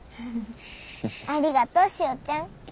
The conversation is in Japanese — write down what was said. ありがとうしおちゃん。